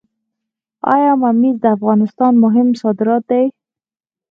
آیا ممیز د افغانستان مهم صادرات دي؟